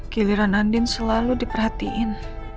giliran andin selalu diperhatiin